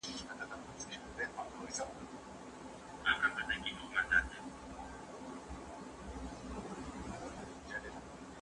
که امکان وي وختي کور ته لاړ شئ.